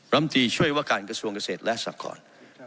รัฐมนตรีช่วยว่าการกระทรวงเกษตรและสรรคอน